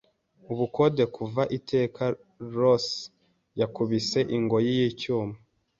ubukode kuva Iteka Los yakubise ingoyi yicyuma